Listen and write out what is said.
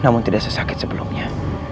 namun tidak sesakit sebelumnya